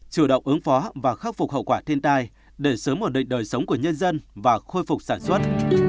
chủ động ứng phó và khắc phục hậu quả thiên tai để sớm ổn định đời sống của nhân dân và khôi phục sản xuất